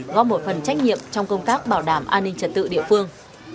góp một phần trách nhiệm trong công tác bảo đảm an ninh trật tự địa phương